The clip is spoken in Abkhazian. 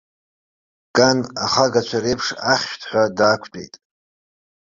Кан, ахагацәа реиԥш, ахьышәҭҳәа даақәтәеит.